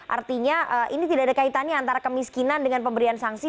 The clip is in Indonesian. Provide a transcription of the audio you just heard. artinya ini tidak ada kaitannya antara kemiskinan dengan pemberian sanksi